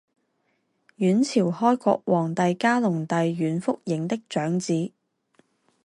阮朝开国皇帝嘉隆帝阮福映的长子。